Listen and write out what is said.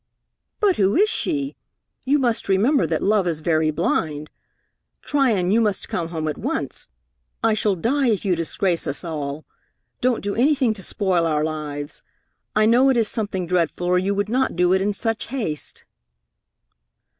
"But who is she? You must remember that love is very blind. Tryon, you must come home at once. I shall die if you disgrace us all. Don't do anything to spoil our lives. I know it is something dreadful, or you would not do it in such haste."